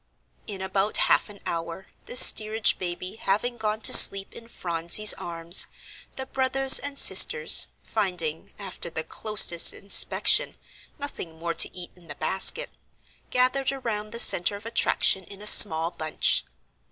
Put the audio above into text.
In about half an hour, the steerage baby having gone to sleep in Phronsie's arms, the brothers and sisters, finding, after the closest inspection, nothing more to eat in the basket, gathered around the centre of attraction in a small bunch.